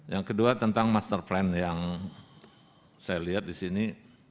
yang kedua tentang master plan yang saya lihat di sini